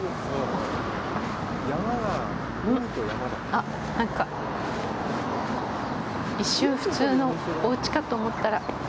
あっ、なんか、一瞬、普通のおうちかと思ったら。